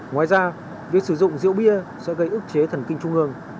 ngoài ra việc sử dụng rượu bia sẽ gây ức chế thần kinh trung hương